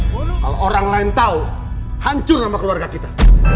kalau orang lain tau hancur nama keluarga kita